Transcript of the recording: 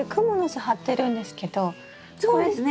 そうですね。